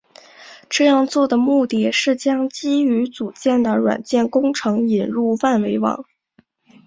这样做的目的是将基于组件的软件工程引入万维网。